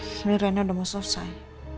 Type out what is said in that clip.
akhirnya rennya udah mau selesai